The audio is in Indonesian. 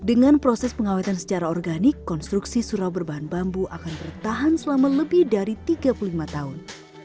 untuk bahan organik konstruksi surau berbahan bambu akan bertahan selama lebih dari tiga puluh lima tahun